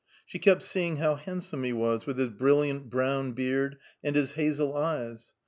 She kept seeing how handsome he was, with his brilliant brown beard, and his hazel eyes.